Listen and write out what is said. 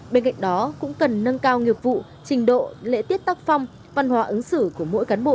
bên cạnh đó cũng cần nâng cao nghiệp vụ trình độ lễ tiết tác phong văn hóa ứng xử của mỗi cán bộ